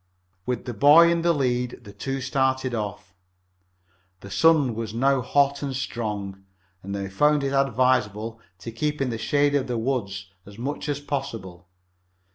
With the boy in the lead the two started off. The sun was now hot and strong, and they found it advisable to keep in the shade of the woods as much as possible.